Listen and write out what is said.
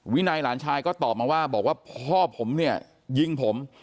วินัยหลานชายก็ตอบมาว่าบอกว่าพ่อผมเนี่ยยิงผม